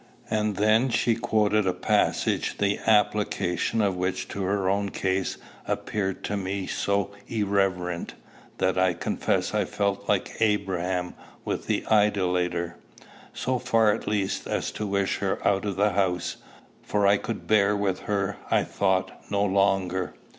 And then she quoted a passage the application of which to her own case appeared to me so irreverent, that I confess I felt like Abraham with the idolater; so far at least as to wish her out of the house, for I could bear with her, I thought, no longer.